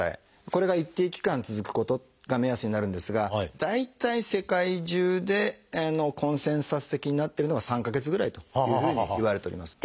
これが一定期間続くことが目安になるんですが大体世界中でコンセンサス的になってるのが３か月ぐらいというふうにいわれております。